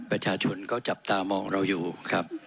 ประชาชนก็จับตามองเราอยู่ครับ